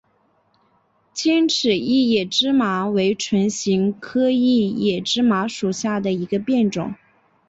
尖齿异野芝麻为唇形科异野芝麻属下的一个变种。